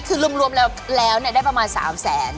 คือรวมแล้วได้ประมาณ๓แสน